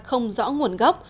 không rõ nguồn gốc